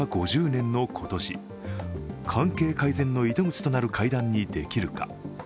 ５０年の今年関係改善の糸口となる会談にできるか。